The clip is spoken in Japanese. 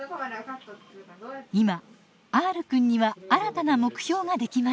今Ｒくんには新たな目標ができました。